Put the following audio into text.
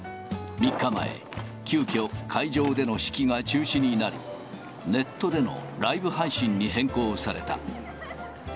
３日前、急きょ、会場での式は中止になり、ネットでのライブ配信に変更された。